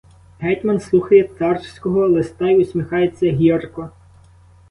Гетьман слухає царського листа й усміхається гірко.